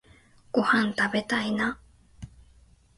ごはんたべたいな